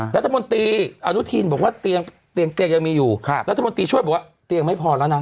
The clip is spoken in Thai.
รัฐมนตรีอนุทินบอกว่าเตียงเตียงยังมีอยู่รัฐมนตรีช่วยบอกว่าเตียงไม่พอแล้วนะ